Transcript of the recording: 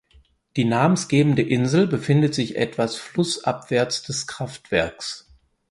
Die namensgebende Insel befindet sich etwas flussabwärts des Kraftwerks.